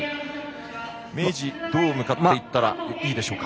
明治、どう勝っていったらいいでしょうか？